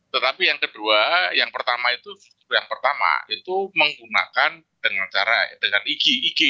tetapi yang kedua yang pertama itu menggunakan dengan cara ig